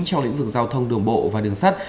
trong lĩnh vực giao thông đường bộ và đường sắt